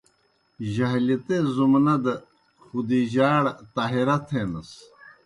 جاہلیتے زُمنہ دہ خُدیجہ ئڑ ”طاہرہ“ تھینَس۔